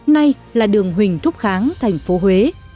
nay là đường huỳnh thúc kháng thành phố huế